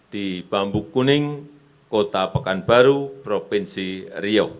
di bambu kuning kota pekanbaru provinsi riau